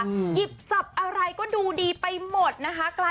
หยิบจับอะไรก็ดูดีไปหมดนะคะ